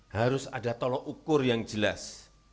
harus ada tolok ukur yang jelas